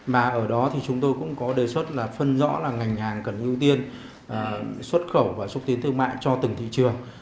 mà ở đó thì chúng tôi cũng có đề xuất là phân rõ là ngành hàng cần ưu tiên xuất khẩu và xúc tiến thương mại cho từng thị trường